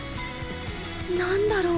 何だろう